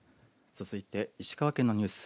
続いて石川県のニュース。